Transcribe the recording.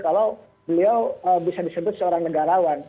kalau beliau bisa disebut seorang negarawan